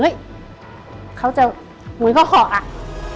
เฮ้ยเขาจะหมุนเข้าหอ